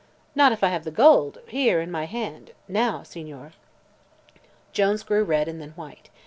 "Not if I have the gold here, in my hand now, Signore." Jones grew red and then white.